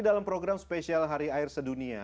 dalam program spesial hari air sedunia